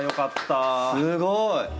すごい！